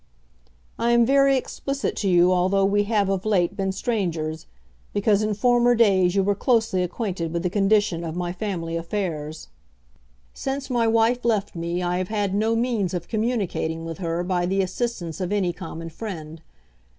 I am very explicit to you although we have of late been strangers, because in former days you were closely acquainted with the condition of my family affairs. Since my wife left me I have had no means of communicating with her by the assistance of any common friend.